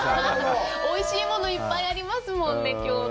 おいしいものいっぱいありますもんね、京都。